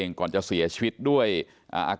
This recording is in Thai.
แล้วก็ช่วยกันนำนายธีรวรรษส่งโรงพยาบาล